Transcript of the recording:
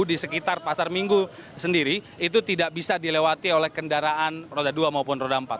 di sekitar pasar minggu sendiri itu tidak bisa dilewati oleh kendaraan roda dua maupun roda empat